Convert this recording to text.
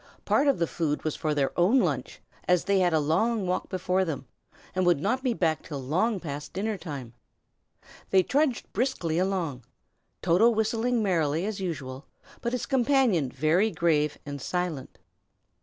Part of the food was for their own lunch, as they had a long walk before them, and would not be back till long past dinner time. They trudged briskly along, Toto whistling merrily as usual, but his companion very grave and silent.